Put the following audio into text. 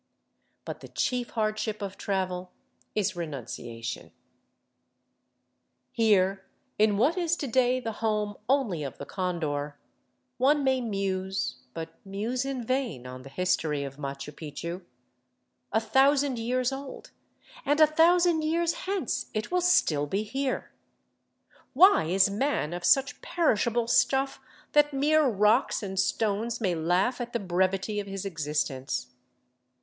But the chief hardship of travel is renunciation. Here, in what is to day the home only of the condor, one may muse, but muse in vain, on the history of Machu Picchu. A thousand years old; and a thousand years hence it will still be here! Why is man of such perishable stuff that mere rocks and stones may laugh at the brevity of his existence?